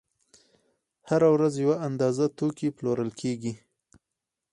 هره ورځ یوه اندازه توکي پلورل کېږي